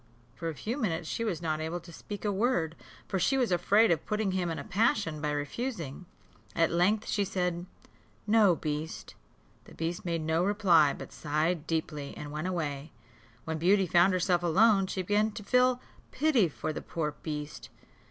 For a few minutes she was not able to speak a word, for she was afraid of putting him in a passion, by refusing. At length she said, "No, beast." The beast made no reply, but sighed deeply, and went away. When Beauty found herself alone, she began to feel pity for the poor beast.